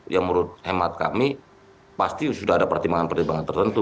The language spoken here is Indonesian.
yang menurut hemat kami pasti sudah ada pertimbangan pertimbangan tertentu